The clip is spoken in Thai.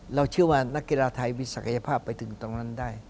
เชื่อว่านักกีฬาไทยมีศักยภาพไปถึงตรงนั้นได้